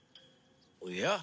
おや？